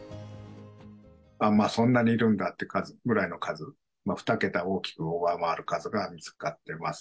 まあ、そんなにいるんだってぐらいの数、２桁を大きく上回る数が見つかってます。